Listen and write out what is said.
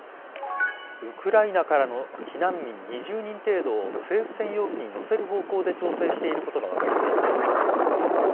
ウクライナからの避難民２０人程度を政府専用機に乗せる方向で調整していることが分かりました。